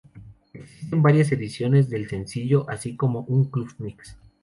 Existen varias ediciones del sencillo, así como un "club mix".